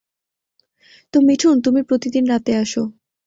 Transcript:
তো মিঠুন, তুমি প্রতিদিন রাতে আসো।